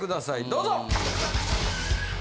どうぞ！